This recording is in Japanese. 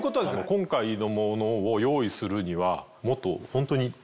今回のものを用意するにはもっとホントに。